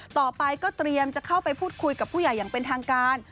ต่อไปก็เตรียมจะเข้าไปพูดคุยกับผู้ใหญ่อย่างเป็นทางการ